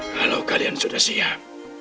kalau kalian sudah siap